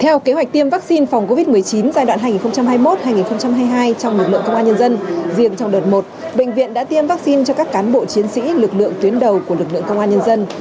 theo kế hoạch tiêm vaccine phòng covid một mươi chín giai đoạn hai nghìn hai mươi một hai nghìn hai mươi hai trong lực lượng công an nhân dân riêng trong đợt một bệnh viện đã tiêm vaccine cho các cán bộ chiến sĩ lực lượng tuyến đầu của lực lượng công an nhân dân